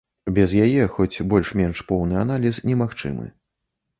Без яе хоць больш-менш поўны аналіз немагчымы.